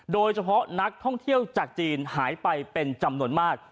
โดยเฉพาะนักท่องเที่ยวจากจีนหายไปเป็นจำนวนมาก